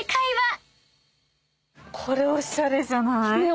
これおしゃれじゃない？